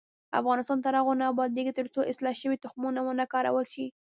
افغانستان تر هغو نه ابادیږي، ترڅو اصلاح شوي تخمونه ونه کارول شي.